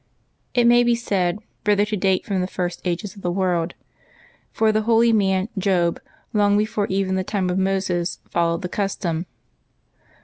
It may be said .rather to date from the first ages of the world ; for the holy man Job, long before even the time of Moses, fol lowed the custom.